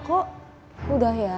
kok udah ya